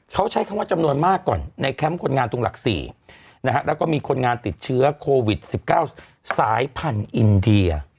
เขาใช้คำว่าจำนวนมากก่อนในแคมป์คนงานตรงหลัก๔แล้วก็มีคนงานติดเชื้อโควิด๑๙สายพันธุ์อินเดีย